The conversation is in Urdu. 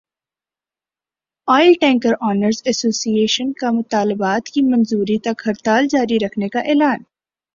oil tanker owners association کا مطالبات کی منظوری تک ہڑتال جاری رکھنے کا اعلان